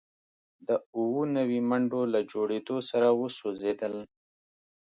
د اووه نوي منډو له جوړیدو سره وسوځیدل